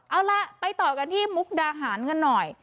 เอาล่ะไปต่อกันที่มุกดาหารกันหน่อย